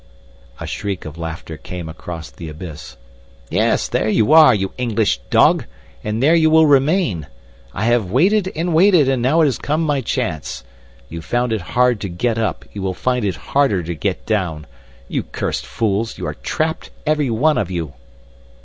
A shriek of laughter came across the abyss. "Yes, there you are, you English dog, and there you will remain! I have waited and waited, and now has come my chance. You found it hard to get up; you will find it harder to get down. You cursed fools, you are trapped, every one of you!"